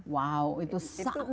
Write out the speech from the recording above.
wow itu sangat menurun